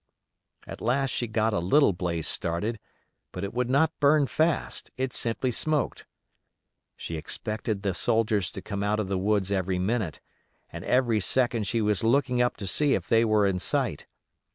At last she got a little blaze started, but it would not burn fast; it simply smoked. She expected the soldiers to come out of the woods every minute, and every second she was looking up to see if they were in sight.